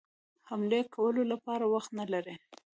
حملې کولو لپاره وخت نه لري.